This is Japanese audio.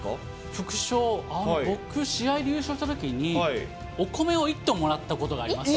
副賞、僕、試合で優勝したときにお米を１トンもらったことがありまして。